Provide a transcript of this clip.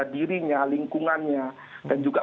dirinya lingkungannya dan juga